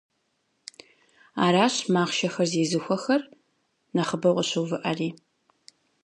Аращ махъшэхэр зезыхуэхэр нэхъыбэу къыщыувыӏэри.